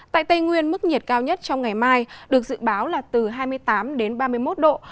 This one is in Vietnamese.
tại tây nguyên mức nhiệt cao nhất trong ngày mai được dự báo là từ hai mươi tám đến ba mươi một độ